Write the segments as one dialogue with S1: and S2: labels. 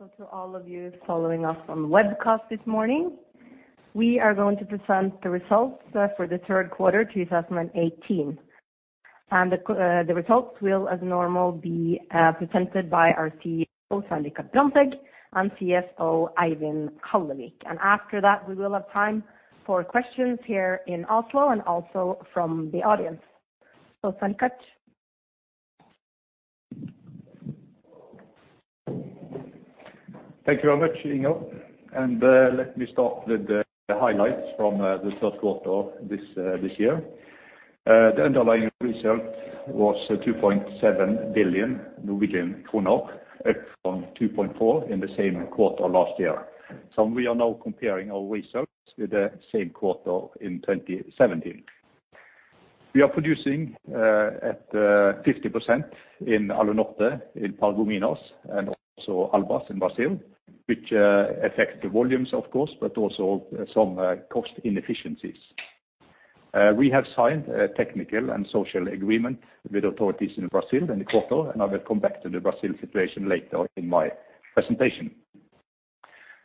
S1: Welcome to all of you following us on webcast this morning. We are going to present the results for the third quarter 2018. The results will as normal be presented by our CEO, Svein Brandtzæg, and CFO Eivind Kallevik. After that, we will have time for questions here in Oslo and also from the audience. Svein.
S2: Thank you very much, Inga. Let me start with the highlights from the third quarter this year. The underlying result was 2.7 billion Norwegian kroner, up from 2.4 billion in the same quarter last year. We are now comparing our results with the same quarter in 2017. We are producing at 50% in Alunorte, in Paragominas, and also Albras in Brazil, which affect the volumes of course, but also some cost inefficiencies. We have signed a technical and social agreement with authorities in Brazil in the quarter, and I will come back to the Brazil situation later in my presentation.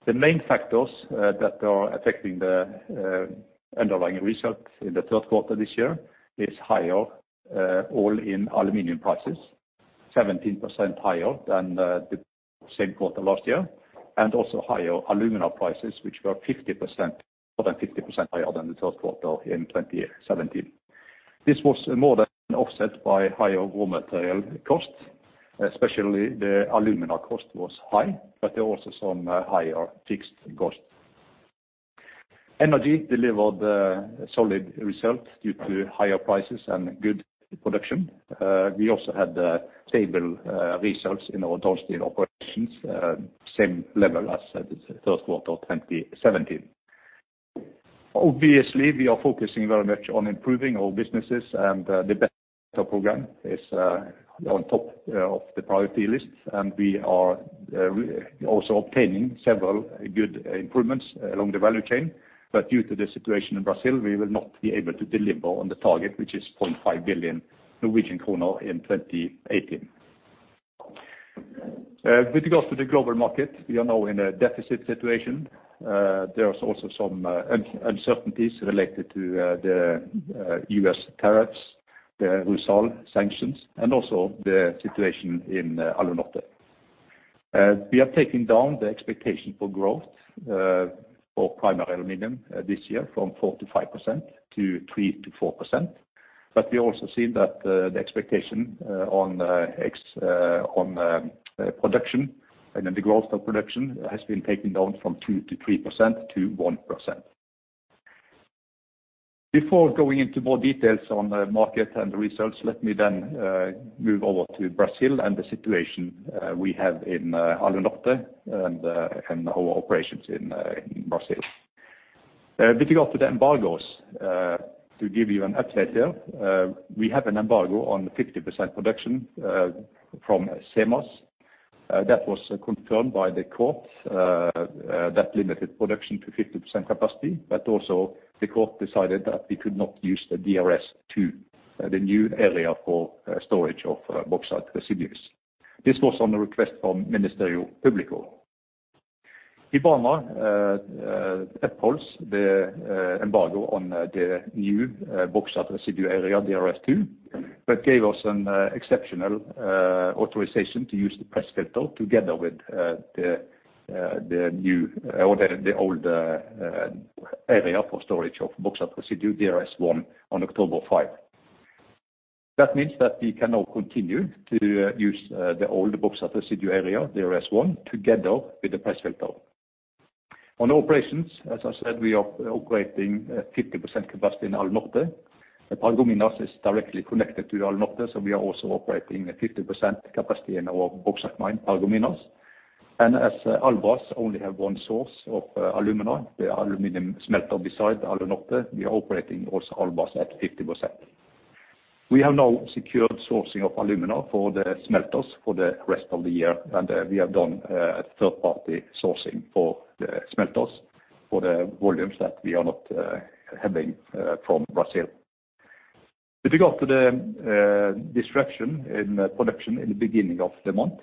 S2: The main factors that are affecting the underlying results in the third quarter this year is higher all-in aluminum prices, 17% higher than the same quarter last year, and also higher alumina prices which were 50%, more than 50% higher than the third quarter in 2017. This was more than offset by higher raw material costs, especially the alumina cost was high, but there were also some higher fixed costs. Energy delivered a solid result due to higher prices and good production. We also had stable results in our downstream operations, same level as the third quarter 2017. Obviously, we are focusing very much on improving our businesses, and the Better program is on top of the priority list, and we are also obtaining several good improvements along the value chain. Due to the situation in Brazil, we will not be able to deliver on the target, which is 0.5 billion Norwegian kroner in 2018. With regards to the global market, we are now in a deficit situation. There is also some uncertainties related to the U.S. tariffs, the RUSAL sanctions, and also the situation in Alunorte. We are taking down the expectation for growth for primary aluminum this year from 4%-5% to 3%-4%. We also see that the expectation on production and then the growth of production has been taken down from 2%-3% to 1%. Before going into more details on the market and the results, let me then move over to Brazil and the situation we have in Alunorte and our operations in Brazil. With regard to the embargoes, to give you an update here, we have an embargo on 50% production from SEMAS. That was confirmed by the court, that limited production to 50% capacity, but also the court decided that we could not use the DRS2, the new area for storage of bauxite residues. This was on the request from Ministério Público. Ibama, uh, uh, upholds the, uh, embargo on the new, uh, bauxite residue area, DRS2, but gave us an, uh, exceptional, uh, authorization to use the press filter together with, uh, the, uh, the new or the, the old, uh, uh, area for storage of bauxite residue, DRS1, on October 5. That means that we can now continue to, uh, use, uh, the old bauxite residue area, DRS1, together with the press filter. On operations, as I said, we are operating at fifty percent capacity in Alunorte. Paragominas is directly connected to Alunorte, so we are also operating at fifty percent capacity in our bauxite mine, Paragominas and as Albras only have one source of, uh, alumina, the aluminum smelter beside Alunorte, we are operating also Albras at fifty percent. We have now secured sourcing of alumina for the smelters for the rest of the year, and we have done a third-party sourcing for the smelters for the volumes that we are not having from Brazil. With regard to the disruption in production in the beginning of the month,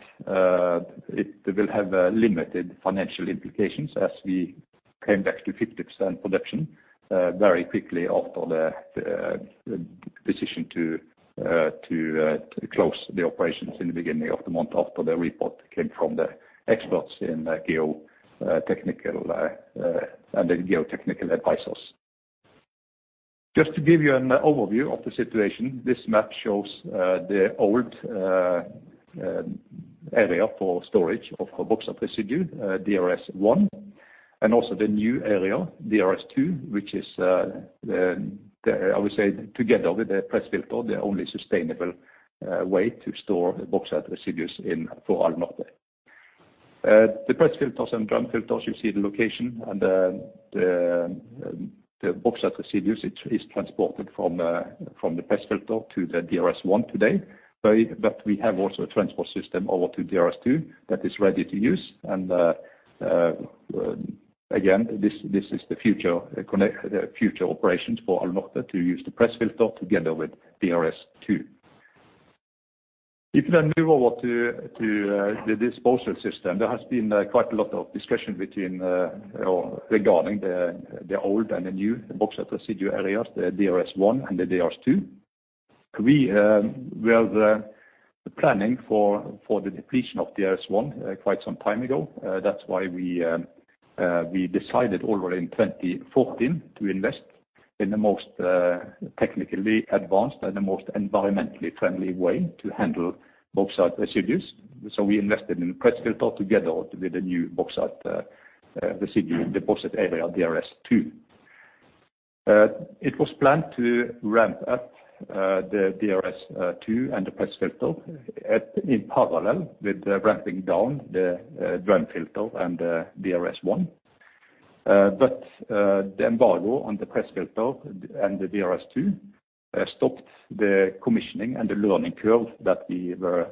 S2: it will have limited financial implications as we came back to 50% production very quickly after the decision to close the operations in the beginning of the month after the report came from the experts in geotechnical and the geotechnical advisors. Just to give you an overview of the situation, this map shows the old area for storage of bauxite residue, DRS1, and also the new area, DRS2, which is the, I would say together with the press filter, the only sustainable way to store bauxite residues in, for Alunorte. The press filters and drum filters, you see the location and the bauxite residues it is transported from the press filter to the DRS1 today. We have also a transport system over to DRS2 that is ready to use. Again, this is the future operations for Alunorte to use the press filter together with DRS2. If you move over to the disposal system, there has been quite a lot of discussion between or regarding the old and the new bauxite residue areas, the DRS1 and the DRS2. We have the planning for the depletion of DRS1 quite some time ago. That's why we decided already in 2014 to invest in the most technically advanced and the most environmentally friendly way to handle bauxite residues. We invested in press filter together with the new bauxite residue deposit area DRS2. It was planned to ramp up the DRS2 and the press filter at, in parallel with the ramping down the drum filter and DRS1. The embargo on the press filter and the DRS2 stopped the commissioning and the learning curve that we were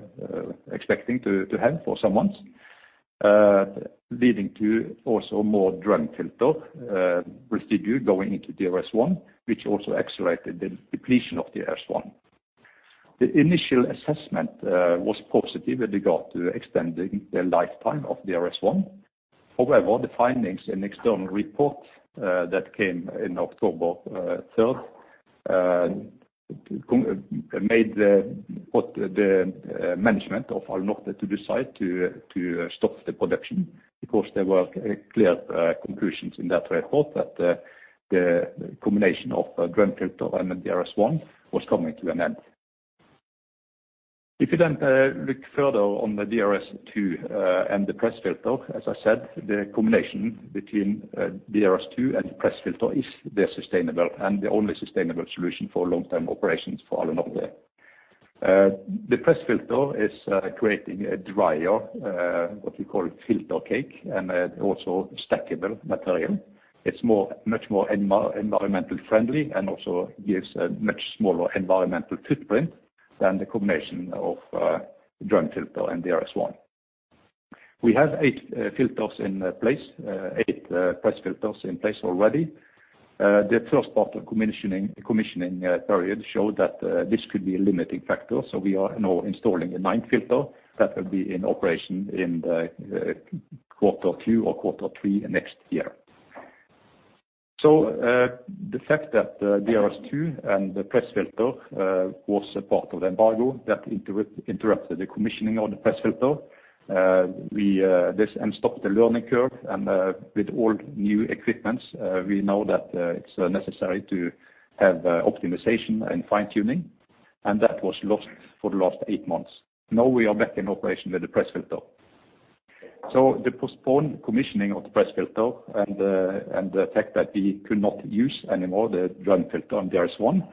S2: expecting to have for some months, leading to also more drum filter residue going into DRS1, which also accelerated the depletion of DRS1. The initial assessment was positive with regard to extending the lifetime of DRS1. However, the findings and external report that came in October 3rd made the management of Alunorte to decide to stop the production because there were clear conclusions in that report that the combination of drum filter and the DRS1 was coming to an end. If you then look further on the DRS2 and the press filter, as I said, the combination between DRS2 and press filter is the sustainable and the only sustainable solution for long-term operations for Alunorte. The press filter is creating a drier, what we call a filter cake, and also stackable material. It's more, much more environmental friendly and also gives a much smaller environmental footprint than the combination of drum filter and DRS1. We have 8 filters in place, 8 press filters in place already. The first part of commissioning period showed that this could be a limiting factor. We are now installing a 9th filter that will be in operation in the Q2 or Q3 next year. The fact that DRS2 and the press filter was a part of the embargo that interrupted the commissioning of the press filter, we this stopped the learning curve and with all new equipments, we know that it's necessary to have optimization and fine-tuning, and that was lost for the last 8 months. Now we are back in operation with the press filter. The postponed commissioning of the press filter and the fact that we could not use any more the drum filter on DRS1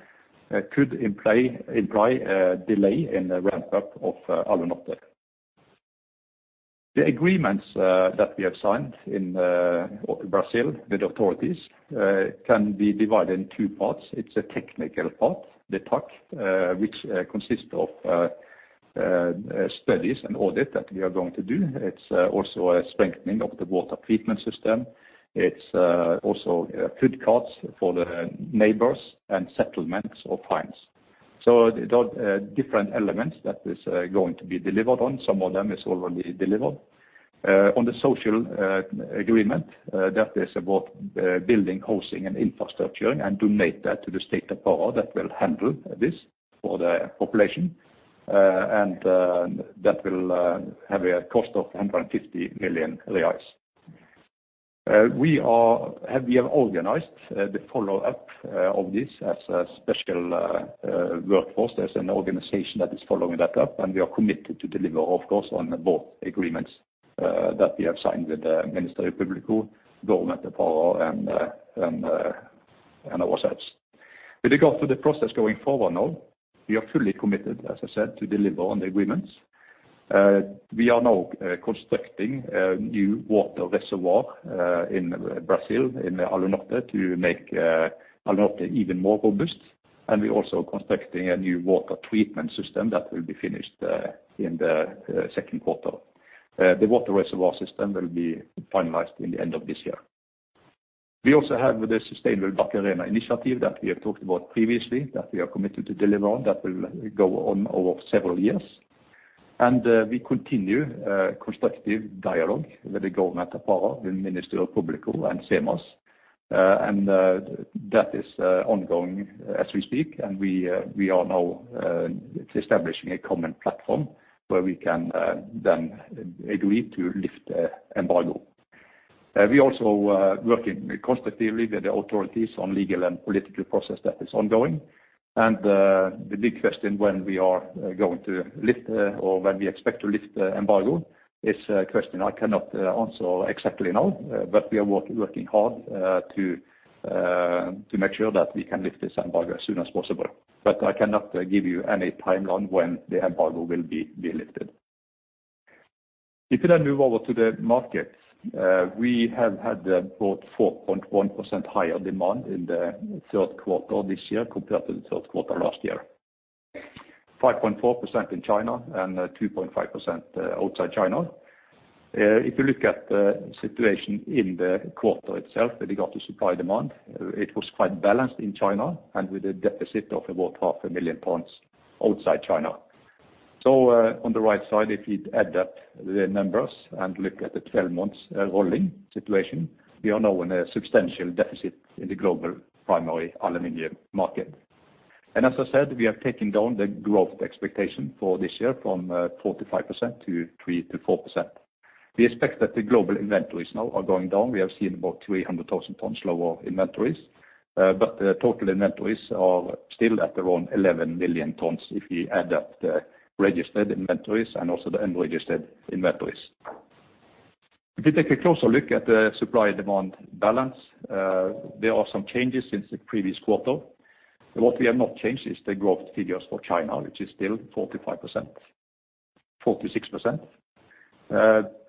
S2: could imply a delay in the ramp up of Alunorte. The agreements that we have signed in Brazil with authorities can be divided in two parts. It's a technical part, which consists of studies and audit that we are going to do. It's also a strengthening of the water treatment system. It's also food costs for the neighbors and settlements or fines. The different elements that is going to be delivered on, some of them is already delivered. On the social agreement, that is about building housing and infrastructure and donate that to the state of Pará that will handle this for the population, and that will have a cost of 150 million reais. We have organized the follow-up of this as a special workforce. There's an organization that is following that up, and we are committed to deliver, of course, on both agreements that we have signed with the Ministério Público, government of Pará and ourselves. With regard to the process going forward now, we are fully committed, as I said, to deliver on the agreements. We are now constructing a new water reservoir in Brazil, in Alunorte, to make Alunorte even more robust. We're also constructing a new water treatment system that will be finished in the second quarter. The water reservoir system will be finalized in the end of this year. We also have the sustainable Barcarena initiative that we have talked about previously, that we are committed to deliver on. That will go on over several years. We continue constructive dialogue with the government of Pará, the Ministério Público and SEMAS and that is ongoing as we speak. We are now establishing a common platform where we can then agree to lift the embargo. We also are working constructively with the authorities on legal and political process that is ongoing. The big question when we are going to lift, or when we expect to lift the embargo is a question I cannot answer exactly now. We are working hard to make sure that we can lift this embargo as soon as possible. I cannot give you any timeline when the embargo will be lifted. If you then move over to the market, we have had about 4.1% higher demand in the third quarter this year compared to the third quarter last year. 5.4% in China and 2.5% outside China. If you look at the situation in the quarter itself with regard to supply demand, it was quite balanced in China and with a deficit of about half a million tons outside China. On the right side, if you add up the numbers and look at the 12 months rolling situation, we are now in a substantial deficit in the global primary aluminum market. As I said, we are taking down the growth expectation for this year from 45% to 3%-4%. We expect that the global inventories now are going down. We have seen about 300,000 tons lower inventories. The total inventories are still at around 11 million tons if you add up the registered inventories and also the unregistered inventories. If you take a closer look at the supply demand balance, there are some changes since the previous quarter. What we have not changed is the growth figures for China, which is still 45%-46%.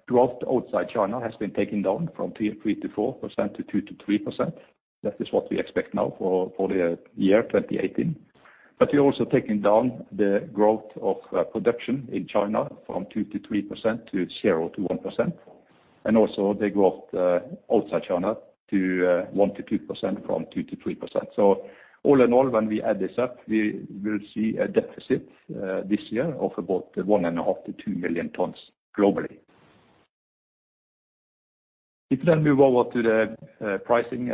S2: Growth outside China has been taken down from 3%-4% to 2%-3%. That is what we expect now for the year 2018. We're also taking down the growth of production in China from 2%-3% to 0%-1%. Also the growth outside China to 1%-2% from 2%-3%. All in all, when we add this up, we will see a deficit this year of about 1.5 million-2 million tons globally. If you then move over to the pricing,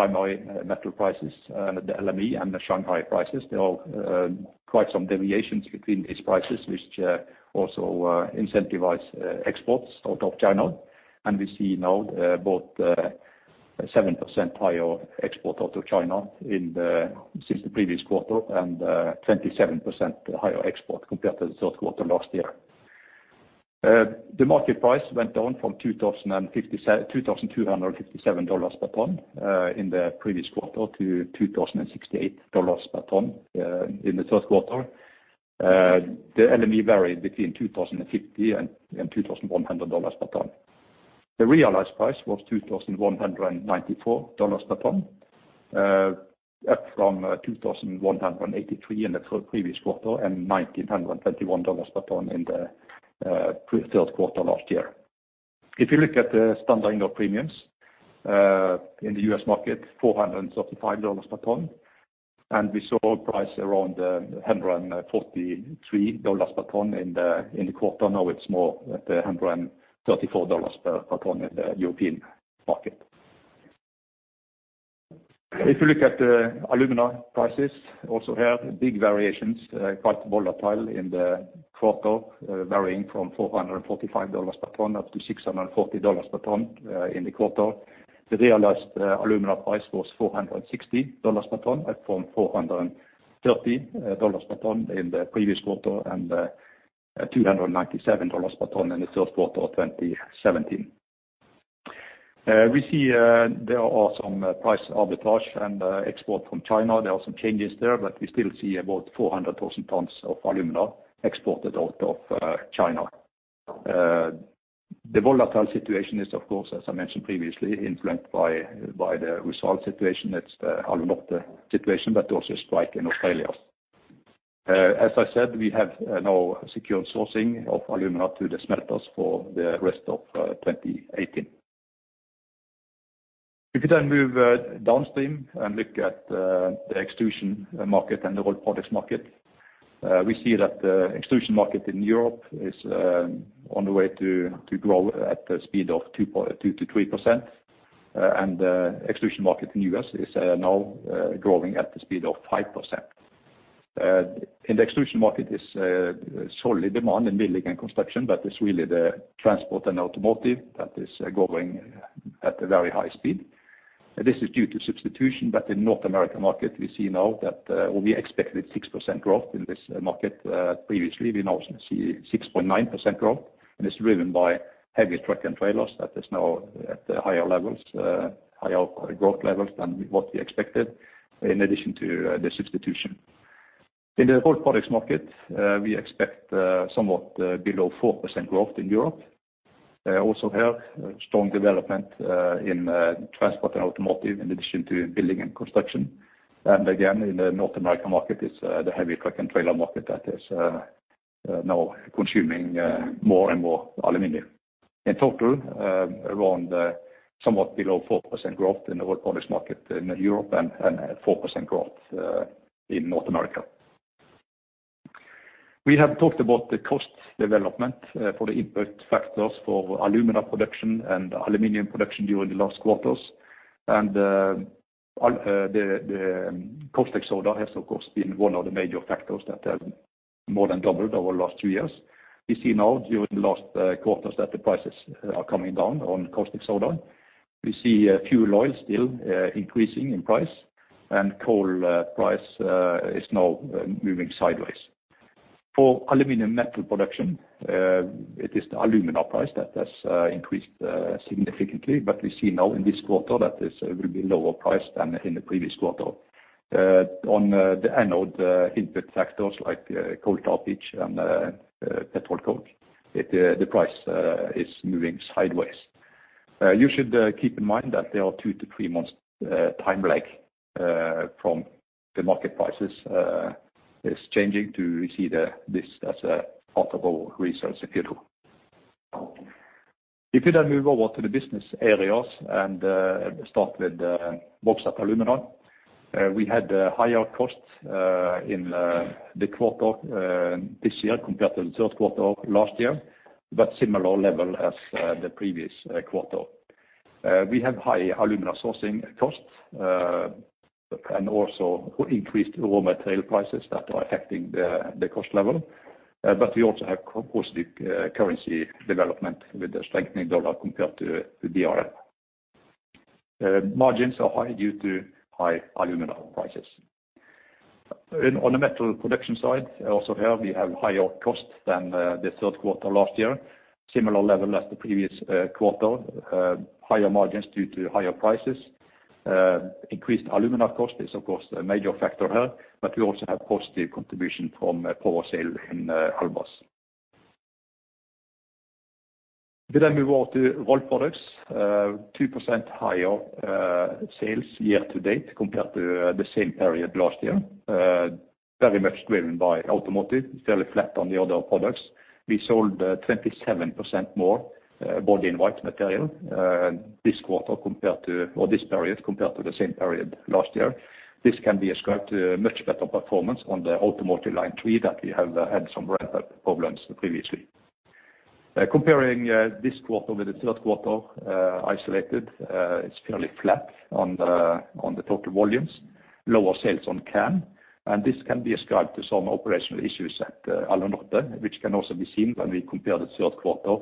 S2: the Primary Metal prices, the LME and the Shanghai prices, there are quite some deviations between these prices, which also incentivize exports out of China. We see now 7% higher export out of China since the previous quarter, and 27% higher export compared to the third quarter last year. The market price went down from $2,257 per ton in the previous quarter to $2,068 per ton in the third quarter. The LME varied between $2,050 and $2,100 per ton. The realized price was $2,194 per ton, up from $2,183 in the previous quarter, and $1,921 per ton in the third quarter last year. If you look at the standard ingots premiums in the U.S. market, $475 per ton, and we saw a price around $143 per ton in the quarter. It's more at $134 per ton in the European market. If you look at the alumina prices, also here, big variations, quite volatile in the quarter, varying from $445 per ton up to $640 per ton in the quarter. The realized alumina price was $460 per ton up from $430 per ton in the previous quarter, and $297 per ton in the third quarter of 2017. We see there are some price arbitrage and export from China. There are some changes there, but we still see about 400,000 tons of alumina exported out of China. The volatile situation is of course, as I mentioned previously, influenced by the RUSAL situation, that's the Alunorte situation, but also a strike in Australia. As I said, we have now secured sourcing of alumina to the smelters for the rest of 2018. If you then move downstream and look at the extrusion market and the rolled products market, we see that the extrusion market in Europe is on the way to grow at the speed of 2%-3%, and the extrusion market in U.S. is now growing at the speed of 5%. In the extrusion market is solely demand in building and construction, it's really the transport and automotive that is growing at a very high speed. This is due to substitution, in North American market, we see now that we expected 6% growth in this market previously. We now see 6.9% growth, it's driven by heavy truck and trailers that is now at higher levels, higher growth levels than what we expected in addition to the substitution. In the rolled products market, we expect somewhat below 4% growth in Europe. Also here, strong development in transport and automotive in addition to building and construction. Again, in the North American market, it's the heavy truck and trailer market that is now consuming more and more aluminum. In total, around somewhat below 4% growth in the rolled products market in Europe and 4% growth in North America. We have talked about the cost development for the input factors for alumina production and aluminum production during the last quarters. The caustic soda has of course been one of the major factors that have more than doubled over the last two years. We see now during the last quarters that the prices are coming down on caustic soda. We see fuel oil still increasing in price, and coal price is now moving sideways. For aluminum metal production, it is the alumina price that has increased significantly. We see now in this quarter that this will be lower price than in the previous quarter. On the anode input factors like coal tar pitch and petroleum coke, it the price is moving sideways. You should keep in mind that there are 2-3 months time lag from the market prices is changing to see this as a profitable resource if you do. If you move over to the business areas and start with Vågsøy Aluminum, we had higher costs in the quarter this year compared to the third quarter of last year, but similar level as the previous quarter. We have high alumina sourcing costs and also increased raw material prices that are affecting the cost level. We also have co-positive currency development with the strengthening dollar compared to the DRM. Margins are high due to high alumina prices. On the metal production side, also here we have higher costs than the third quarter last year. Similar level as the previous quarter. Higher margins due to higher prices. Increased alumina cost is of course a major factor here, but we also have positive contribution from power sale in Albras. We then move on to rolled products, 2% higher sales year to date compared to the same period last year. Very much driven by automotive, fairly flat on the other products. We sold 27% more body in white material this quarter compared to, or this period compared to the same period last year. This can be ascribed to much better performance on the automotive line three that we have had some ramp-up problems previously. Comparing this quarter with the 3rd quarter, isolated, it's fairly flat on the total volumes. Lower sales on can, this can be ascribed to some operational issues at Alunorte, which can also be seen when we compare the 3rd quarter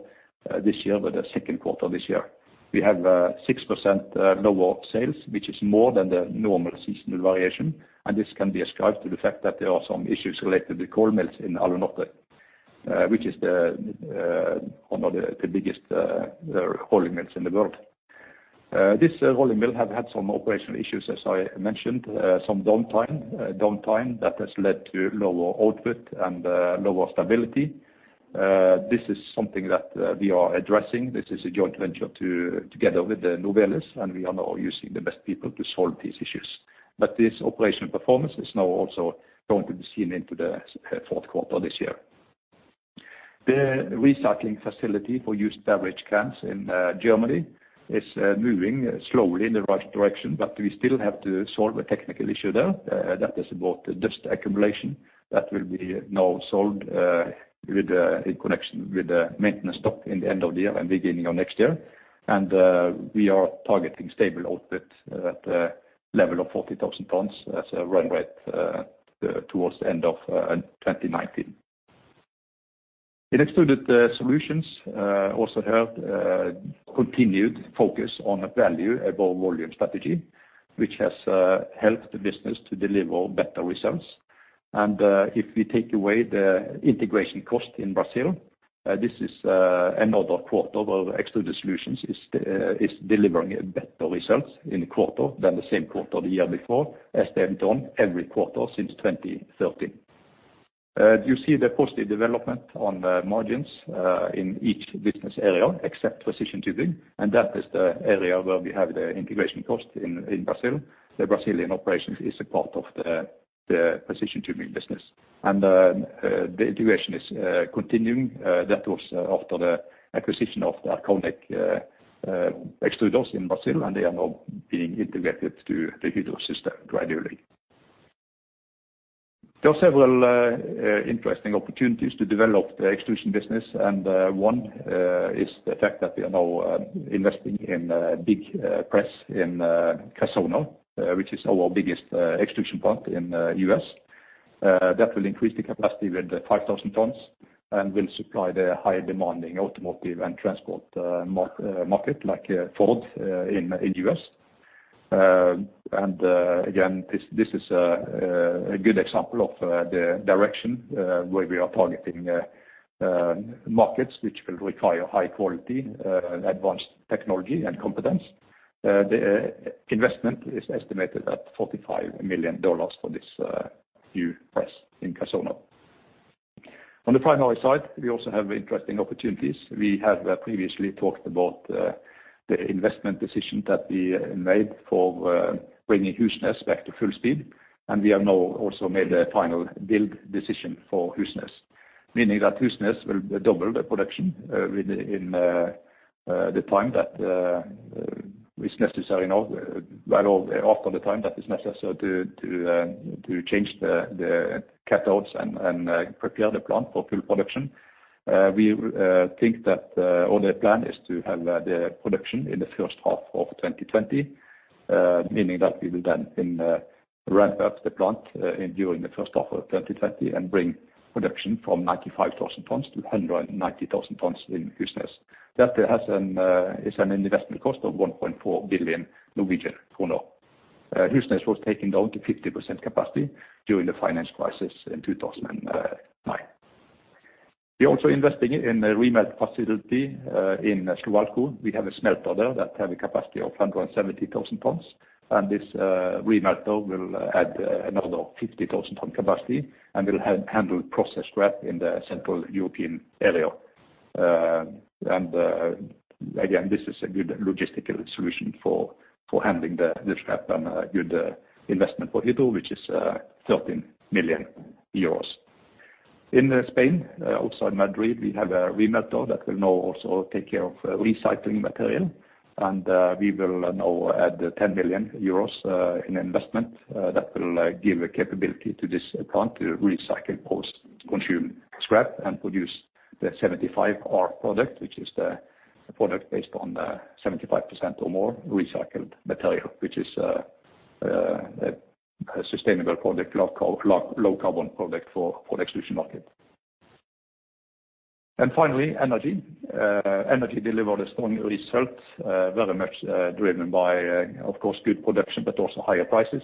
S2: this year with the 2nd quarter this year. We have 6% lower sales, which is more than the normal seasonal variation, this can be ascribed to the fact that there are some issues related to the coal mills in Alunorte, which is one of the biggest rolling mills in the world. This rolling mill have had some operational issues, as I mentioned, some downtime that has led to lower output and lower stability. This is something that we are addressing. This is a joint venture together with Novelis. We are now using the best people to solve these issues. This operational performance is now also going to be seen into the fourth quarter this year. The recycling facility for used beverage cans in Germany is moving slowly in the right direction, but we still have to solve a technical issue there that is about dust accumulation that will be now solved with in connection with the maintenance stop in the end of the year and beginning of next year. We are targeting stable output at level of 40,000 tons as a run rate towards the end of 2019. In Extruded Solutions also have continued focus on a value above volume strategy, which has helped the business to deliver better results. If we take away the integration cost in Brazil, this is another quarter where Extruded Solutions is delivering better results in quarter than the same quarter the year before, as they have done every quarter since 2013. You see the positive development on the margins, in each business area except Precision Tubing, and that is the area where we have the integration cost in Brazil. The Brazilian operations is a part of the Precision Tubing business. The integration is continuing. That was after the acquisition of the Arconic extruders in Brazil, and they are now being integrated to the Hydro system gradually. There are several interesting opportunities to develop the extrusion business, and one is the fact that we are now investing in a big press in Cressona, which is our biggest extrusion plant in U.S. That will increase the capacity with 5,000 tons and will supply the high demanding automotive and transport market like Ford in U.S. Again, this is a good example of the direction where we are targeting markets which will require high quality, advanced technology and competence. The investment is estimated at $45 million for this new press in Cressona. On the primary side, we also have interesting opportunities. We have previously talked about the investment decision that we made for bringing Husnes back to full speed. We have now also made a final build decision for Husnes, meaning that Husnes will double the production with the time that is necessary now. Well, after the time that is necessary to change the cathodes and prepare the plant for full production. We will think that or the plan is to have the production in the first half of 2020, meaning that we will then ramp up the plant during the first half of 2020 and bring production from 95,000 tons to 190,000 tons in Husnes. That is an investment cost of 1.4 billion Norwegian kroner. Husnes was taken down to 50% capacity during the finance crisis in 2009. We're also investing in a remelt facility in Slovakia. We have a smelter there that have a capacity of 170,000 tons, and this remelt though will add another 50,000 ton capacity and will handle processed scrap in the Central European area. Again, this is a good logistical solution for handling the scrap and a good investment for Hydro, which is 13 million euros. In Spain, also in Madrid, we have a remelt that will now also take care of recycling material. We will now add 10 million euros in investment that will give a capability to this plant to recycle post-consumer scrap and produce the Hydro CIRCAL 75R product, which is the product based on 75% or more recycled material, which is a sustainable product, low-carbon product for the extrusion market. Finally, Energy. Energy delivered a strong result, very much driven by, of course, good production, but also higher prices.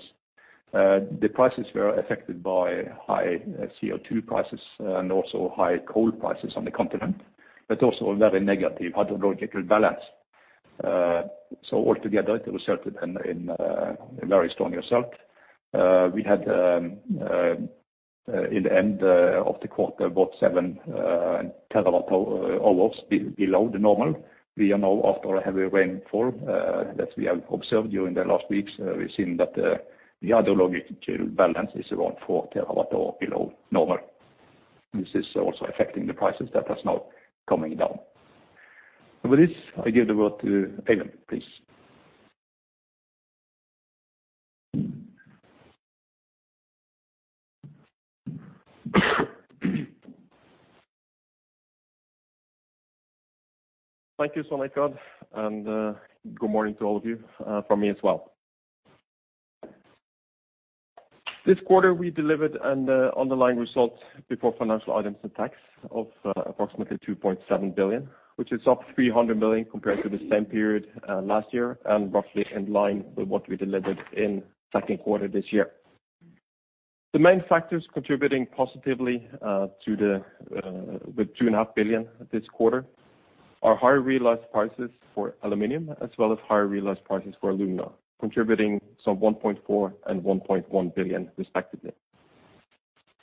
S2: The prices were affected by high CO2 prices and also high coal prices on the continent, but also a very negative hydrological balance. Altogether, it resulted in a very strong result. We had in the end of the quarter, about 7 terawatt hours below the normal. We are now after a heavy rainfall that we have observed during the last weeks. We've seen that the hydrological balance is around 4 TWh below normal. This is also affecting the prices that is now coming down. With this, I give the word to Eivind, please.
S3: Thank you, Svein, good morning to all of you from me as well. This quarter, we delivered an underlying result before financial items and tax of approximately 2.7 billion, which is up 300 million compared to the same period last year, and roughly in line with what we delivered in second quarter this year. The main factors contributing positively to the 2.5 billion this quarter are higher realized prices for aluminum, as well as higher realized prices for alumina, contributing some 1.4 billion and 1.1 billion respectively.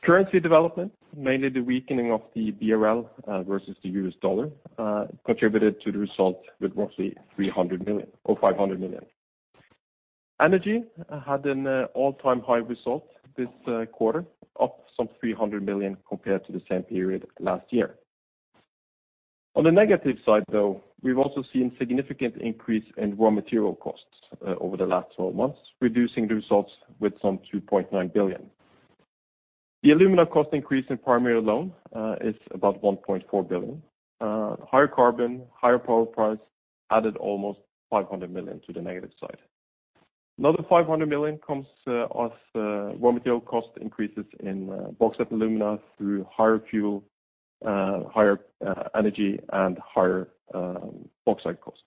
S3: Currency development, mainly the weakening of the BRL versus the US dollar, contributed to the result with roughly 300 million, or 500 million. Energy had an all-time high result this quarter, up some 300 million compared to the same period last year. On the negative side, though, we've also seen significant increase in raw material costs over the last 12 months, reducing the results with some 2.9 billion. The alumina cost increase in Primary alone is about 1.4 billion. Higher carbon, higher power price added almost 500 million to the negative side. Another 500 million comes as raw material cost increases in Bauxite & Alumina through higher fuel, higher energy, and higher bauxite costs.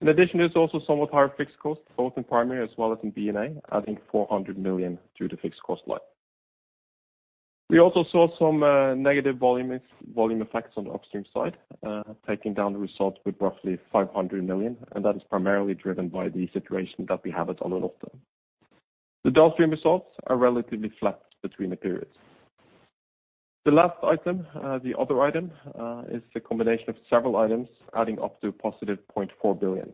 S3: In addition, there's also somewhat higher fixed costs, both in Primary as well as in BNA, adding 400 million to the fixed cost line. We also saw some negative volume effects on the upstream side, taking down the results with roughly 500 million. That is primarily driven by the situation that we have at Alunorte. The downstream results are relatively flat between the periods. The last item, the other item, is the combination of several items adding up to positive 0.4 billion.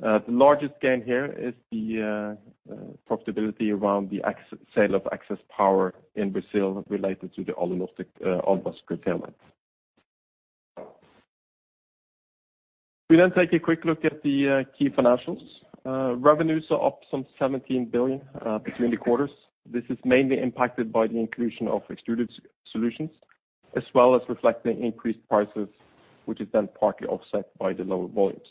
S3: The largest gain here is the profitability around the sale of excess power in Brazil related to the Alunorte curtailment. We take a quick look at the key financials. Revenues are up some 17 billion between the quarters. This is mainly impacted by the inclusion of Extruded Solutions, as well as reflecting increased prices, which is then partly offset by the lower volumes.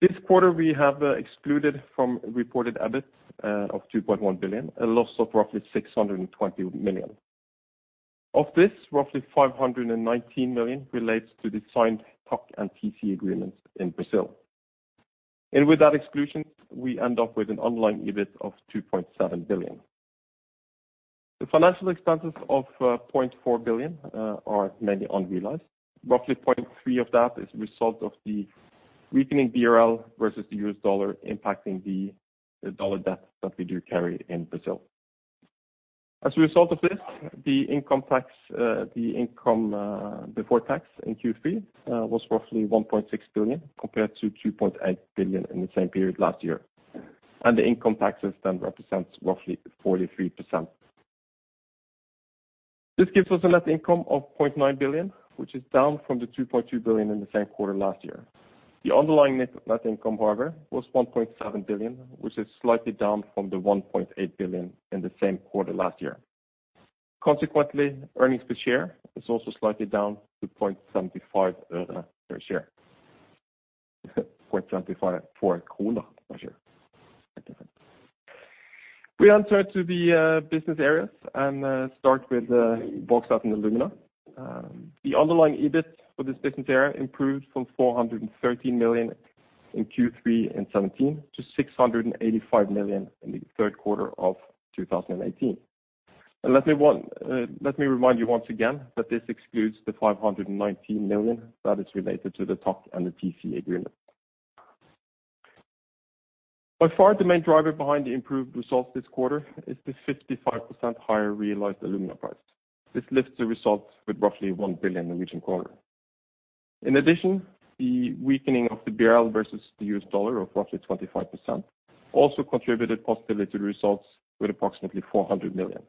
S3: This quarter, we have excluded from reported EBIT of 2.1 billion, a loss of roughly 620 million. Of this, roughly 519 million relates to the signed TOC and PCA agreements in Brazil. With that exclusion, we end up with an online EBIT of 2.7 billion. The financial expenses of 0.4 billion are mainly unrealized. Roughly 0.3 billion of that is a result of the weakening BRL versus the US dollar impacting the dollar debt that we do carry in Brazil. As a result of this, the income before tax in Q3 was roughly 1.6 billion, compared to 2.8 billion in the same period last year. The income taxes then represents roughly 43%. This gives us a net income of 0.9 billion, which is down from 2.2 billion in the same quarter last year. The underlying net income, however, was 1.7 billion, which is slightly down from 1.8 billion in the same quarter last year. Consequently, earnings per share is also slightly down to NOK 0.75 per share. 0.75 per share. We now turn to the business areas and start with Bauxite & Alumina. The underlying EBIT for this business area improved from 413 million in Q3 2017 to 685 million in the third quarter of 2018. Let me one, let me remind you once again that this excludes the 519 million that is related to the TOC and the PCA agreement. By far the main driver behind the improved results this quarter is the 55% higher realized alumina price. This lifts the results with roughly 1 billion. In addition, the weakening of the BRL versus the U.S. dollar of roughly 25% also contributed positively to the results with approximately 400 million.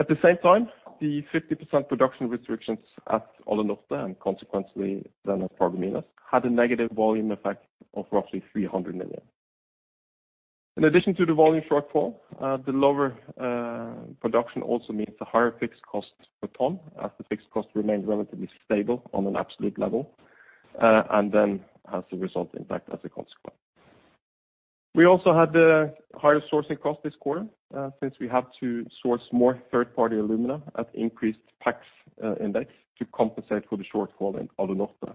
S3: At the same time, the 50% production restrictions at Alunorte and consequently then at Paragominas had a negative volume effect of roughly 300 million. In addition to the volume shortfall, the lower production also means the higher fixed cost per ton as the fixed cost remains relatively stable on an absolute level, and then has the result impact as a consequence. We also had the higher sourcing cost this quarter, since we have to source more third-party alumina at increased tax index to compensate for the shortfall in Alunorte.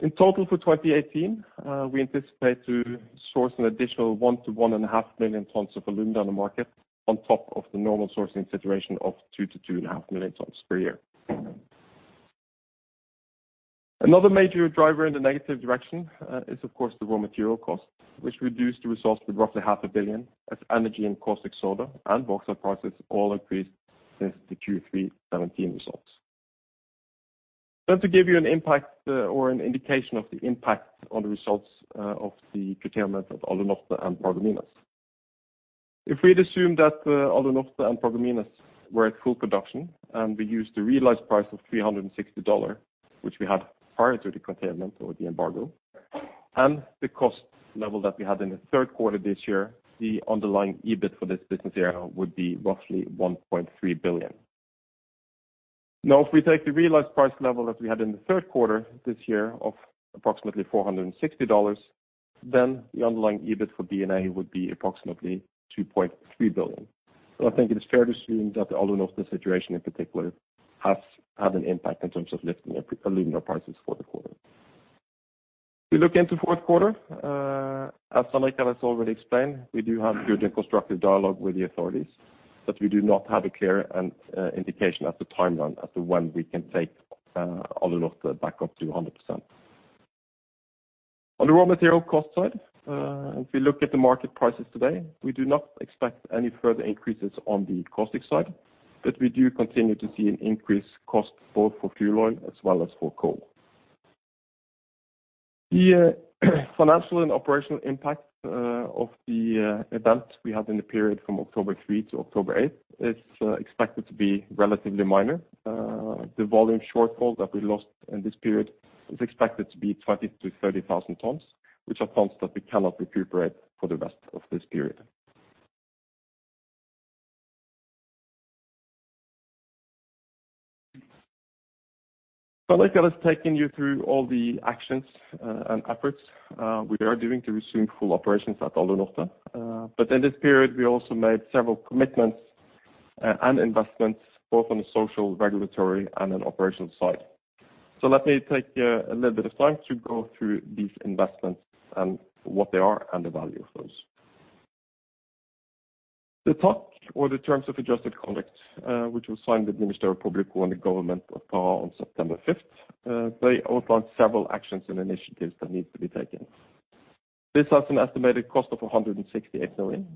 S3: In total for 2018, we anticipate to source an additional 1 million-1.5 million tons of alumina on the market on top of the normal sourcing situation of 2 million-2.5 million tons per year. Another major driver in the negative direction, is of course the raw material cost, which reduced the resource to roughly NOK half a billion as energy and caustic soda and bauxite prices all increased since the Q3 2017 results. Just to give you an impact or an indication of the impact on the results, of the curtailment of Alunorte and Paragominas. If we'd assume that Alunorte and Paragominas were at full production, and we used the realized price of $360, which we had prior to the curtailment or the embargo, and the cost level that we had in the third quarter this year, the underlying EBIT for this business area would be roughly $1.3 billion. Now, iIf we take the realized price level that we had in the third quarter this year of approximately $460, then the underlying EBIT for BNA would be approximately $2.3 billion. I think it is fair to assume that the Alunorte situation in particular has had an impact in terms of lifting alumina prices for the quarter. We look into fourth quarter, as already explained, we do have good and constructive dialogue with the authorities. We do not have a clear and indication as to timeline as to when we can take Alunorte back up to 100%. On the raw material cost side, if we look at the market prices today, we do not expect any further increases on the caustic side but we do continue to see an increased cost both for fuel oil as well as for coal. The financial and operational impact of the events we had in the period from October 3 to October 8 is expected to be relatively minor. The volume shortfall that we lost in this period is expected to be 20,000-30,000 tons, which are tons that we cannot recuperate for the rest of this period. Like I was taking you through all the actions and efforts we are doing to resume full operations at Alunorte. In this period, we also made several commitments and investments both on the social, regulatory, and an operational side. Let me take a little bit of time to go through these investments and what they are and the value of those. The TAC or the Term of Adjusted Conduct, which was signed with Ministério Público and the government of Pará on September 5th, they outlined several actions and initiatives that need to be taken. This has an estimated cost of 168 million.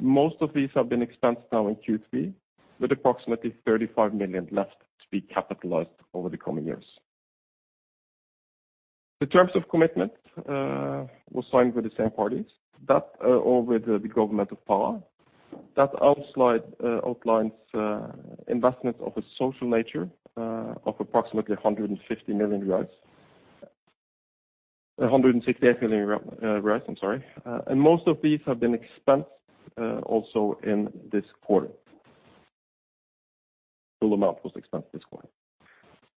S3: Most of these have been expensed now in Q3, with approximately 35 million left to be capitalized over the coming years. The terms of commitment were signed with the same parties that, or with the government of Pará. That outlines investments of a social nature, of approximately 150 million. 168 million, I'm sorry. Most of these have been expensed, also in this quarter. Full amount was expensed this quarter.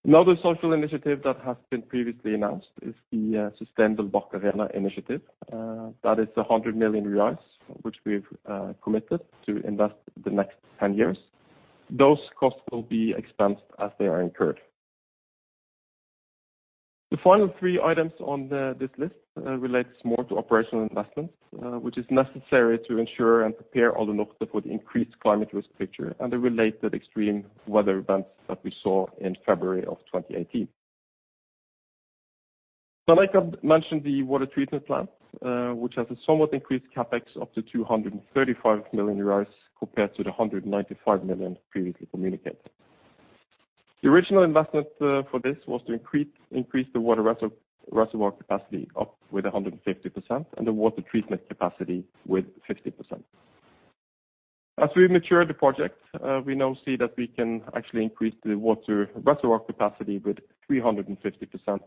S3: Another social initiative that has been previously announced is the Sustentel Barcarena initiative. That is 100 million reais, which we've committed to invest the next 10 years. Those costs will be expensed as they are incurred. The final three items on this list relates more to operational investments, which is necessary to ensure and prepare Alunorte for the increased climate risk picture and the related extreme weather events that we saw in February of 2018. Like I've mentioned, the water treatment plant, which has a somewhat increased CapEx up to BRL 235 million compared to 195 million previously communicated. The original investment for this was to increase the water reservoir capacity up with 150% and the water treatment capacity with 50%. As we've matured the project, we now see that we can actually increase the water reservoir capacity with 350%,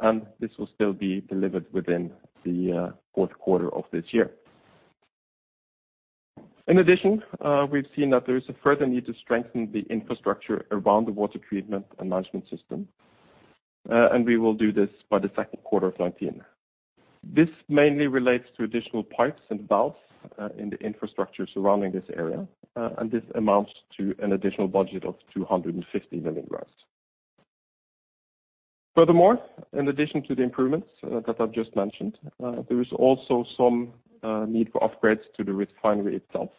S3: and this will still be delivered within the fourth quarter of this year. In addition, we've seen that there is a further need to strengthen the infrastructure around the water treatment and management system. We will do this by the second quarter of 2019. This mainly relates to additional pipes and valves in the infrastructure surrounding this area, and this amounts to an additional budget of BRL 250 million. Furthermore, in addition to the improvements that I've just mentioned, there is also some need for upgrades to the refinery itself,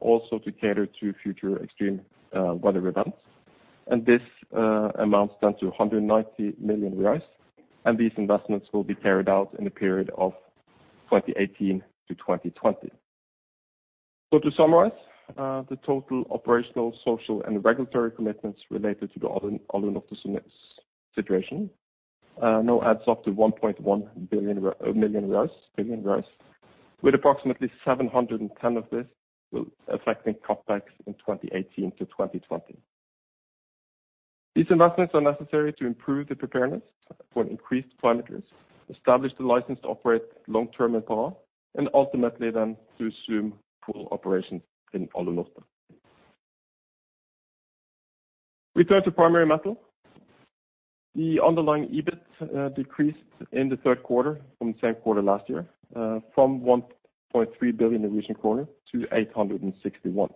S3: also to cater to future extreme weather events. This amounts then to 190 million. These investments will be carried out in the period of 2018 to 2020. To summarize, the total operational, social, and regulatory commitments related to the Alunorte situation now adds up to 1.1 billion, with approximately 710 million of this will affecting CapEx in 2018 to 2020. These investments are necessary to improve the preparedness for an increased climate risk, establish the license to operate long-term in Pará, and ultimately then to assume full operations in Alunorte. Return to Primary Metal. The underlying EBIT decreased in the third quarter from the same quarter last year, from $1.3 billion the recent quarter to $861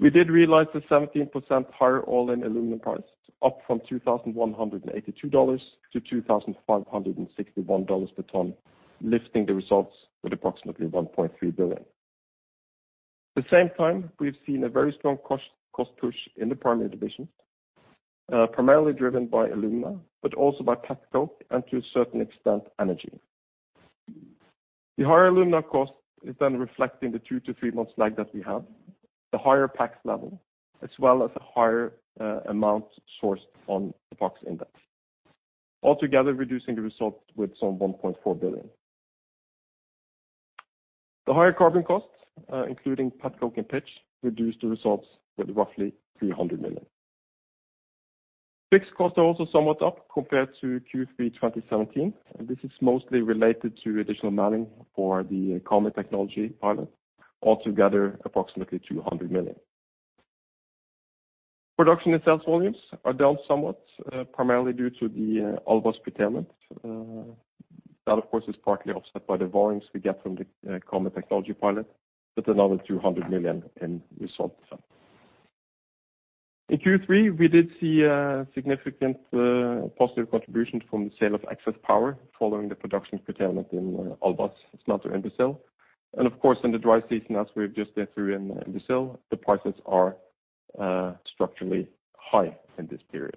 S3: million. We did realize the 17% higher all-in aluminum prices, up from $2,182 to $2,561 per ton, lifting the results with approximately $1.3 billion. At the same time, we've seen a very strong cost push in the Primary Metal division, primarily driven by alumina, but also by petcoke and to a certain extent, energy. The higher alumina cost is reflecting the 2-3 months lag that we have, the higher PAX level, as well as a higher amount sourced on the PAX index. Altogether reducing the result with some 1.4 billion. The higher carbon costs, including pet coke and pitch, reduced the results with roughly 300 million. Fixed costs are also somewhat up compared to Q3 2017. This is mostly related to additional manning for the Karmøy technology pilot, altogether approximately 200 million. Production and sales volumes are down somewhat, primarily due to the Albras curtailment. That, of course, is partly offset by the volumes we get from the Karmøy technology pilot, with another 200 million in result. In Q3, we did see a significant positive contribution from the sale of excess power following the production curtailment in Albras smelter in Brazil. Of course, in the dry season, as we've just been through in Brazil, the prices are structurally high in this period.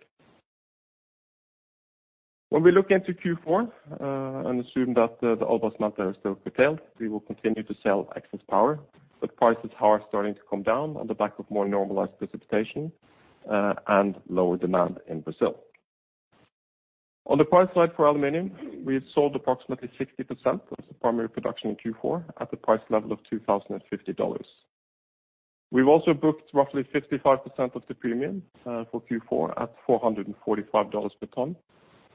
S3: When we look into Q4, and assume that the Albras smelter is still curtailed, we will continue to sell excess power, but prices are starting to come down on the back of more normalized precipitation and lower demand in Brazil. On the price side for aluminum, we have sold approximately 60% of the primary production in Q4 at the price level of $2,050. We've also booked roughly 55% of the premium for Q4 at $445 per ton.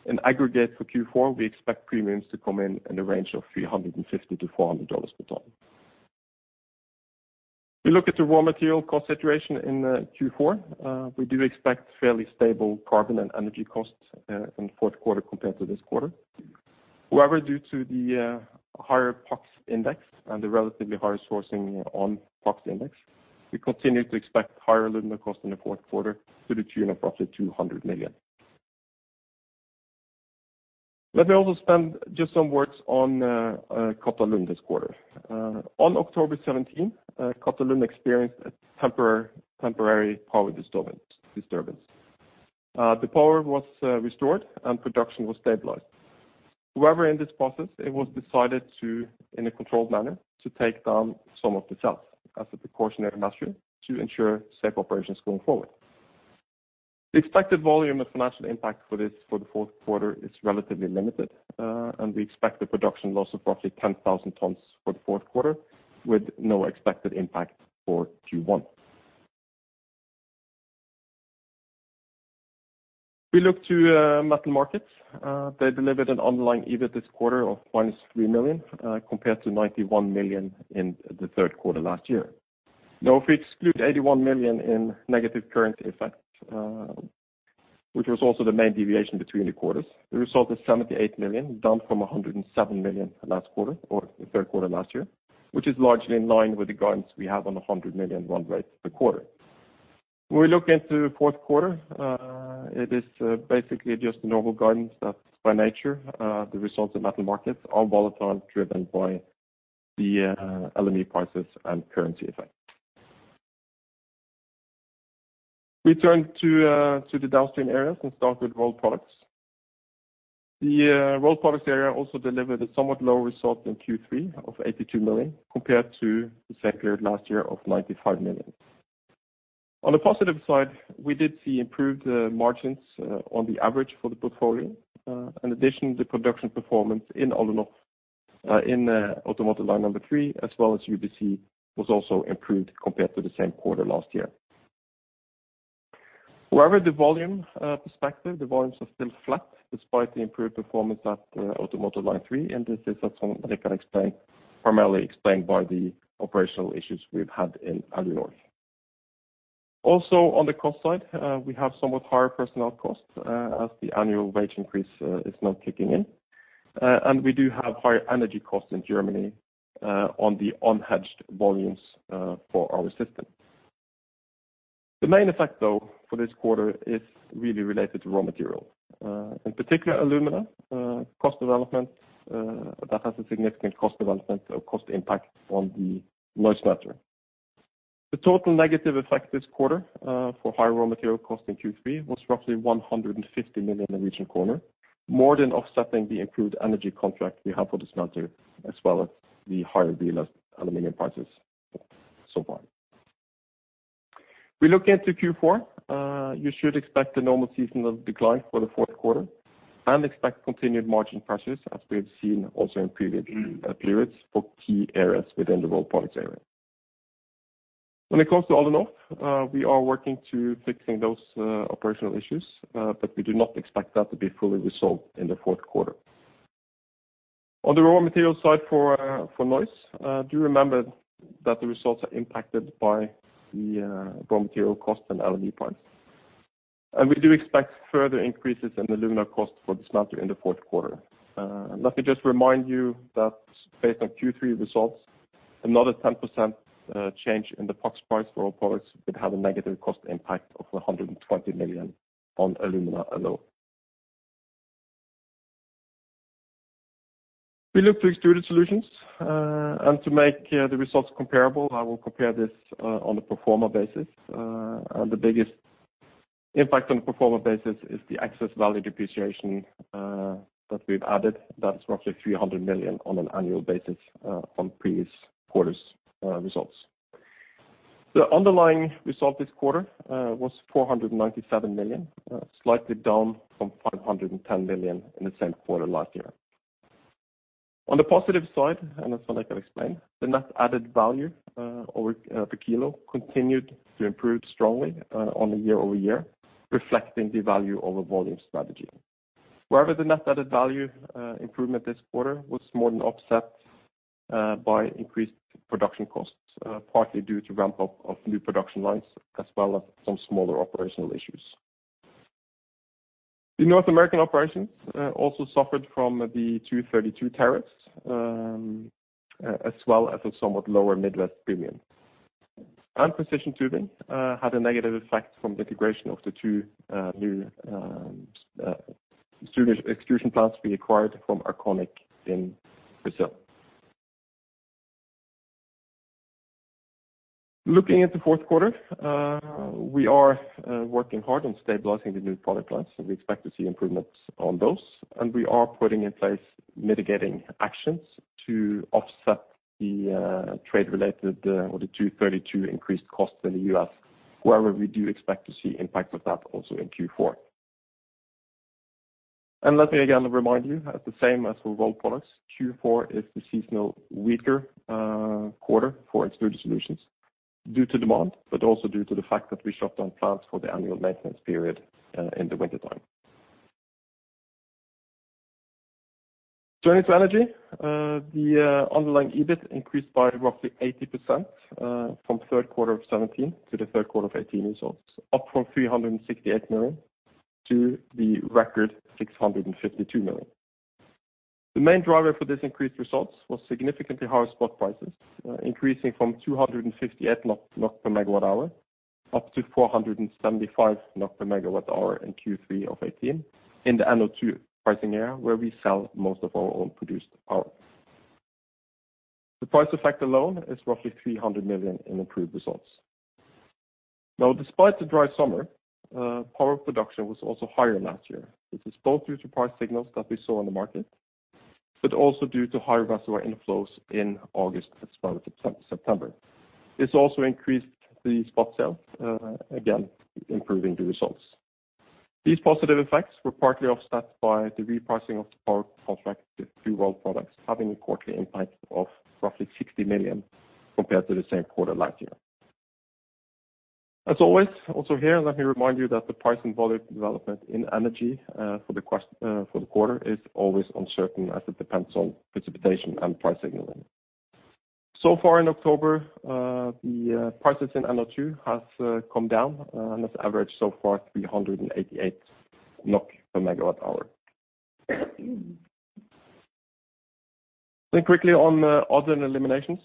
S3: In aggregate for Q4, we expect premiums to come in in the range of $350-$400 per ton. We look at the raw material cost situation in Q4. We do expect fairly stable carbon and energy costs in the fourth quarter compared to this quarter. However, due to the higher PAX index and the relatively higher sourcing on PAX index, we continue to expect higher alumina costs in the fourth quarter to the tune of roughly $200 million. Let me also spend just some words on Karmøy this quarter. On October 17, Karmøy experienced a temporary power disturbance. The power was restored and production was stabilized. In this proce s, it was decided to, in a controlled manner, to take down some of the cells as a precautionary measure to ensure safe operations going forward. The expected volume of financial impact for this for the fourth quarter is relatively limited, we expect a production loss of roughly 10,000 tons for the fourth quarter, with no expected impact for Q1. We look to metal markets. They delivered an online EBIT this quarter of 3 million compared to 91 million in the third quarter last year. If we exclude 81 million in negative current effects, which was also the main deviation between the quarters, the result is 78 million, down from 107 million last quarter or the third quarter last year, which is largely in line with the guidance we have on a 100 million run rate per quarter. When we look into the fourth quarter, it is basically just normal guidance that by nature, the results of metal markets are volatile, driven by the LME prices and currency effects. We turn to the downstream areas and start with rolled products. The rolled products area also delivered a somewhat lower result in Q3 of 82 million, compared to the second quarter last year of 95 million. On the positive side, we did see improved margins on the average for the portfolio. In addition, the production performance in Alunorte, in automotive line 3, as well as UBC, was also improved compared to the same quarter last year. The volume perspective, the volumes are still flat despite the improved performance at automotive line 3, and this is as some that I can explain, primarily explained by the operational issues we've had in Alunorte. On the cost side, we have somewhat higher personnel costs, as the annual wage increase is now kicking in. We do have higher energy costs in Germany, on the unhedged volumes, for our system. The main effect, though, for this quarter is really related to raw material. In particular, alumina cost development that has a significant cost development or cost impact on the Alunorte smelter. The total negative effect this quarter for higher raw material cost in Q3 was roughly 150 million, more than offsetting the improved energy contract we have for the smelter, as well as the higher aluminum prices so far. We look into Q4, you should expect a normal seasonal decline for the fourth quarter and expect continued margin pressures as we have seen also in previous periods for key areas within the Rolled Products area. When it comes to Alunorte, we are working to fixing those operational issues, but we do not expect that to be fully resolved in the fourth quarter. On the raw material side for Norsk, do remember that the results are impacted by the raw material cost and LME price. We do expect further increases in alumina cost for the smelter in the fourth quarter. Let me just remind you that based on Q3 results, another 10% change in the PAX price for our products would have a negative cost impact of $120 million on alumina alone. We look to Extruded Solutions, to make the results comparable, I will compare this on a pro forma basis. The biggest impact on pro forma basis is the excess value depreciation that we've added. That's roughly $300 million on an annual basis on previous quarters' results. The underlying result this quarter was 497 million, slightly down from 510 million in the same quarter last year. On the positive side, that's what I can explain, the net added value over the kilo continued to improve strongly on a year-over-year, reflecting the value over volume strategy. However, the net added value improvement this quarter was more than offset by increased production costs, partly due to ramp-up of new production lines, as well as some smaller operational issues. The North American operations also suffered from the Section 232 tariffs, as well as a somewhat lower Midwest Premium. Precision Tubing had a negative effect from the integration of the 2 new extrusion plants we acquired from Arconic in Brazil. Looking at the fourth quarter, we are working hard on stabilizing the new product lines, and we expect to see improvements on those. We are putting in place mitigating actions to offset the trade-related or the Section 232 increased costs in the U.S. However, we do expect to see impact of that also in Q4. Let me again remind you, as the same as for Rolled Products, Q4 is the seasonal weaker quarter for Extruded Solutions due to demand, but also due to the fact that we shut down plants for the annual maintenance period in the wintertime. Turning to Energy, the underlying EBIT increased by roughly 80% from 3rd quarter of 2017 to the 3rd quarter of 2018 results, up from 368 million to the record 652 million. The main driver for this increased results was significantly higher spot prices, increasing from 258 NOK per megawatt hour up to 475 NOK per megawatt hour in Q3 2018 in the NO2 pricing area where we sell most of our own produced power. The price effect alone is roughly 300 million in improved results. Despite the dry summer, power production was also higher last year. This is both due to price signals that we saw in the market, but also due to higher reservoir inflows in August as well as September. This also increased the spot sale, again, improving the results. These positive effects were partly offset by the repricing of power contract to Rolled Products, having a quarterly impact of roughly 60 million compared to the same quarter last year. As always, also here, let me remind you that the price and volume development in energy for the quarter is always uncertain as it depends on precipitation and price signaling. In October, the prices in NO2 has come down and has averaged so far 388 NOK per megawatt hour. Quickly on other and eliminations.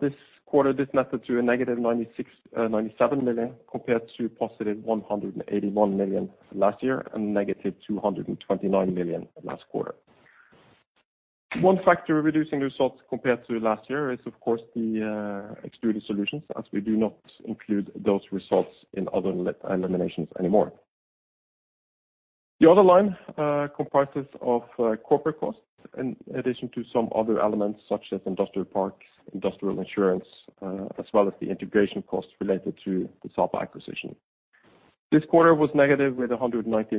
S3: This quarter, this netted to a negative 97 million compared to positive 181 million last year and negative 229 million last quarter. One factor reducing the results compared to last year is of course the Extruded Solutions, as we do not include those results in other eliminations anymore. The other line comprises of corporate costs in addition to some other elements such as industrial parks, industrial insurance, as well as the integration costs related to the Sapa acquisition. This quarter was negative with 190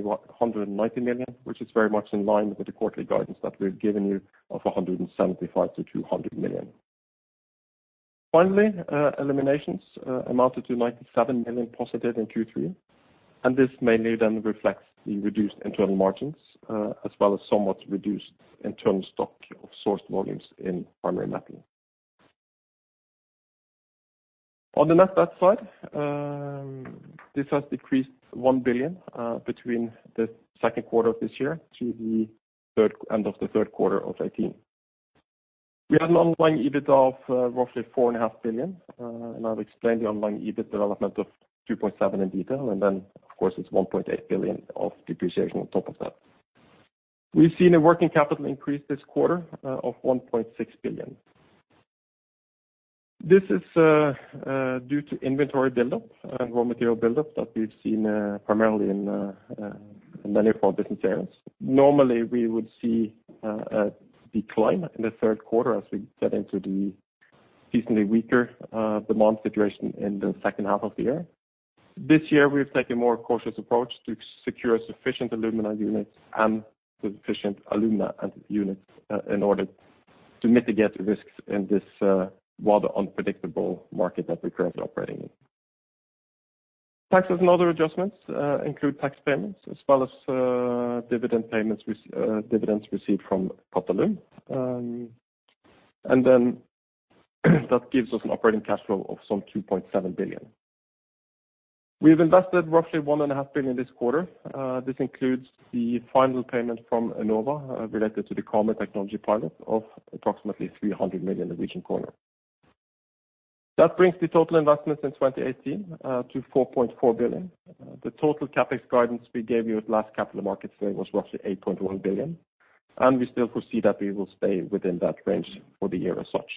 S3: million, which is very much in line with the quarterly guidance that we've given you of 175 million-200 million. Finally, eliminations amounted to 97 million positive in Q3, this mainly then reflects the reduced internal margins, as well as somewhat reduced internal stock of sourced volumes in Primary Metal. On the net debt side, this has decreased 1 billion between the second quarter of this year to the end of the third quarter of 2018. We had an underlying EBIT of roughly 4.5 billion. I'll explain the underlying EBIT development of 2.7 billion in detail. Of course, it's 1.8 billion of depreciation on top of that. We've seen a working capital increase this quarter of 1.6 billion. This is due to inventory buildup and raw material buildup that we've seen primarily in many of our business areas. Normally, we would see a decline in the third quarter as we get into the decently weaker demand situation in the second half of the year. This year, we've taken a more cautious approach to secure sufficient alumina units in order to mitigate risks in this rather unpredictable market that we're currently operating in. Taxes and other adjustments include tax payments as well as dividends received from Portalum and then that gives us an operating cash flow of some 2.7 billion. We've invested roughly 1.5 billion this quarter. This includes the final payment from Enova related to the carbon technology pilot of approximately 300 million. That brings the total investment in 2018 to 4.4 billion. The total CapEx guidance we gave you at last capital markets day was roughly 8.1 billion. We still foresee that we will stay within that range for the year as such.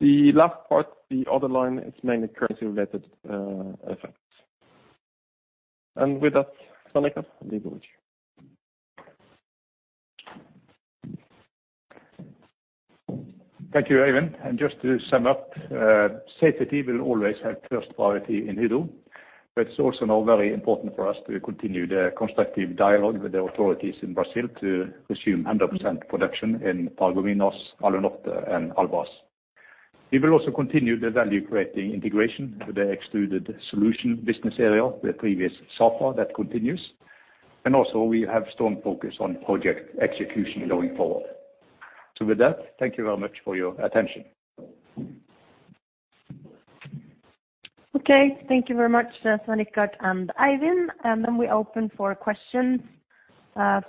S3: The last part, the other line, is mainly currency-related effects. With that, Svein, I leave it with you.
S2: Thank you, Eivind. Just to sum up, safety will always have first priority in Hydro. It's also now very important for us to continue the constructive dialogue with the authorities in Brazil to resume 100% production in Aluminos, Alunorte, and Albras. We will also continue the value-creating integration with the Extruded Solutions business area, the previous Sapa, that continues. Also, we have strong focus on project execution going forward. With that, thank you very much for your attention.
S1: Okay. Thank you very much, Svein and Eivind. Then we open for questions,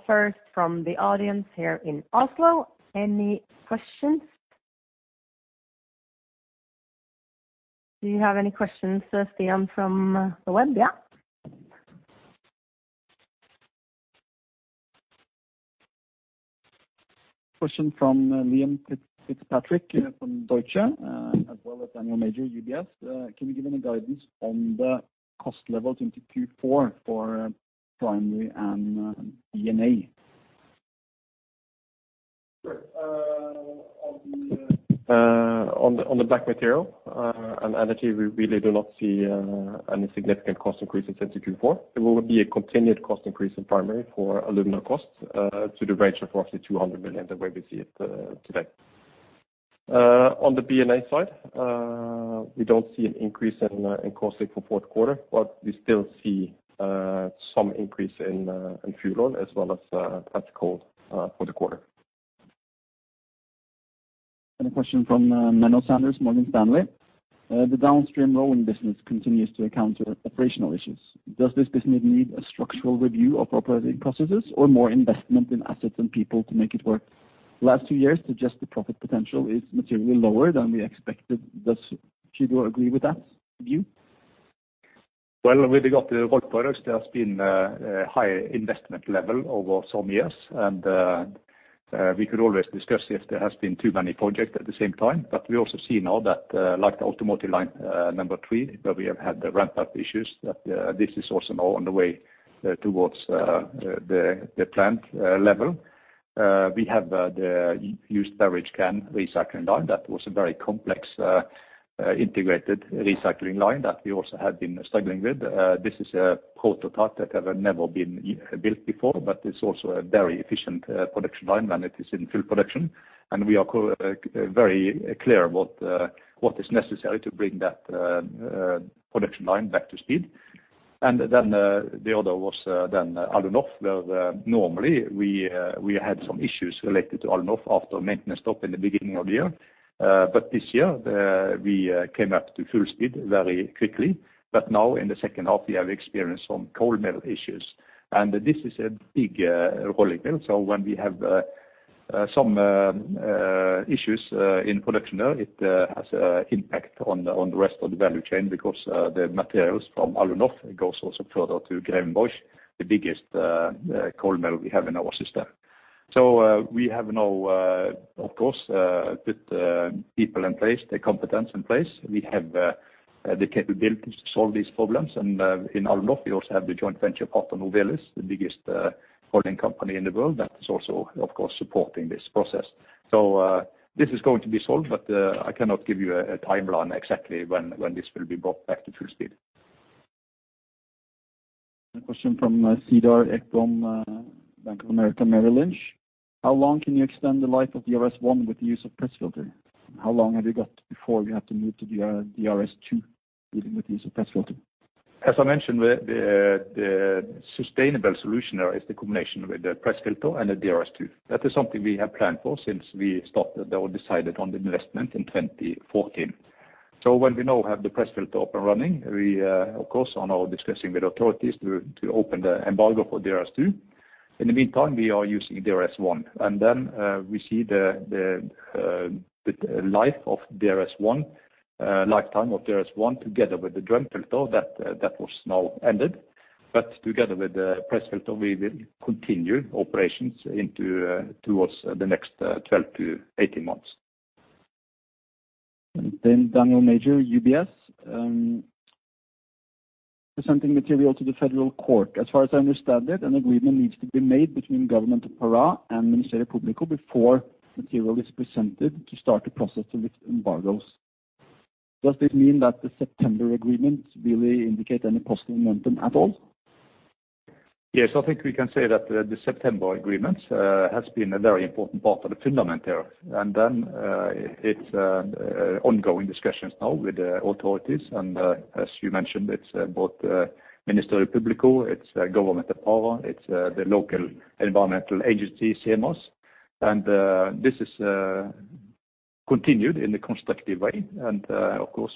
S1: first from the audience here in Oslo. Any questions? Do you have any questions, Liam, from the web? Yeah.
S4: Question from Liam Fitzpatrick from Deutsche, as well as Daniel Major, UBS. Can you give any guidance on the cost levels into Q4 for primary and BNA?
S3: Sure. On the black material and energy, we really do not see any significant cost increases into Q4. There will be a continued cost increase in Primary Metal for alumina costs, to the range of roughly $200 million, the way we see it today. On the BNA side, we don't see an increase in costs for fourth quarter, but we still see some increase in fuel oil as well as petcoke for the quarter.
S5: A question from Menno Sanderse, Morgan Stanley. The downstream rolling business continues to encounter operational issues. Does this business need a structural review of operating processes or more investment in assets and people to make it work? The last two years suggest the profit potential is materially lower than we expected. Does Hydro agree with that view?
S2: Well, with regard to rolling, there's been a high investment level over some years. We could always discuss if there has been too many projects at the same time. We also see now that, like the automotive line three, where we have had the ramp-up issues, that this is also now on the way towards the plant level. We have the used beverage can recycling line that was a very complex integrated recycling line that we also have been struggling with. This is a prototype that had never been built before, but it's also a very efficient production line when it is in full production. We are very clear about what is necessary to bring that production line back to speed. The other was Alunorte, where normally we had some issues related to Alunorte after a maintenance stop in the beginning of the year. This year, we came up to full speed very quickly. Now in the second half, we have experienced some cold metal issues. This is a big rolling mill, so when we have some issues in production there, it has a impact on the rest of the value chain because the materials from Alunorte, it goes also further to get invoice the biggest cold metal we have in our system. We have now, of course, put people in place, the competence in place. We have the capabilities to solve these problems. In Alunorte, we also have the joint venture partner, Novelis, the biggest rolling company in the world, that is also, of course, supporting this process. This is going to be solved, but I cannot give you a timeline exactly when this will be brought back to full speed.
S6: A question from Cedar Ekblom, Bank of America Merrill Lynch. How long can you extend the life of DRS 1 with the use of press filter? How long have you got before you have to move to DRS2 even with the use of press filter?
S2: As I mentioned, the sustainable solution there is the combination with the press filter and the DRS2. That is something we have planned for since we started or decided on the investment in 2014. When we now have the press filter up and running, we of course are now discussing with authorities to open the embargo for DRS2. In the meantime, we are using DRS1. We see the lifetime of DRS1 together with the drum filter that was now ended. Together with the press filter, we will continue operations into towards the next 12-18 months.
S7: Daniel Major, UBS, presenting material to the federal court. As far as I understand it, an agreement needs to be made between Government of Pará and Ministério Público before material is presented to start the process with embargoes. Does this mean that the September agreement really indicate any possible momentum at all?
S2: Yes. I think we can say that the September agreement has been a very important part of the fundament there. Then, it's ongoing discussions now with the authorities, and as you mentioned, it's both Ministério Público, it's Government of Pará, it's the local environmental agency, SEMAS and this is continued in a constructive way. Of course,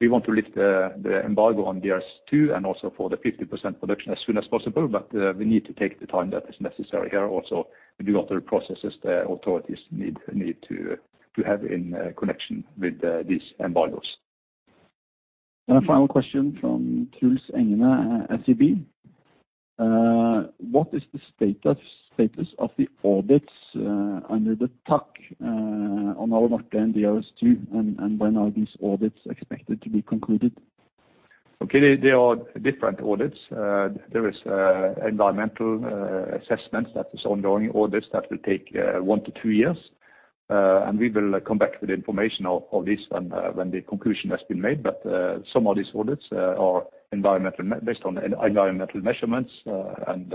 S2: we want to lift the embargo on DRS2 and also for the 50% production as soon as possible, but we need to take the time that is necessary here. Also, we do all the processes the authorities need to have in connection with these embargoes.
S8: A final question from Truls Engene at SEB. What is the status of the audits under the TAC on Alunorte and DRS2 and when are these audits expected to be concluded?
S2: Okay. They are different audits. There is environmental assessments that is ongoing audits that will take 1 to 2 years. We will come back with information of this when the conclusion has been made. Some of these audits are environmental based on environmental measurements and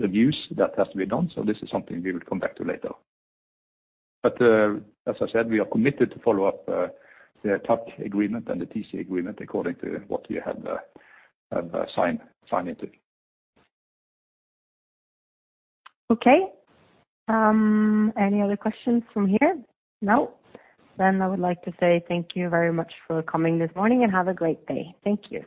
S2: reviews that has to be done. This is something we would come back to later. As I said, we are committed to follow up the TAC agreement and the TC agreement according to what we have signed into.
S1: Okay. any other questions from here? No. I would like to say thank you very much for coming this morning, and have a great day. Thank you.